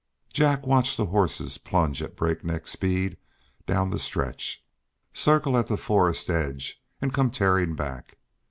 Jack watched the horses plunge at breakneck speed down the stretch, circle at the forest edge, and come tearing back.